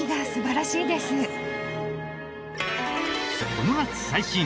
この夏最新！